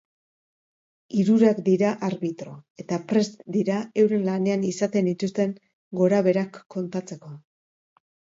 Hirurak dira arbitro eta prest dira euren lanean izaten dituzten gora beherak kontatzeko.